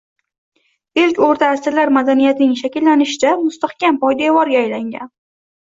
Ilk o‘rta asrlar madaniyatining shakllanishida mustahkam poydevorga aylangan.